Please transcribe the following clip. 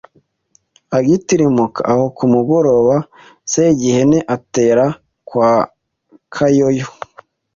Agitirimuka aho ku mugoroba Segihene atera kwa Kayoyo